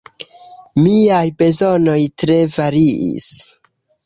Miaj bezonoj tre variis.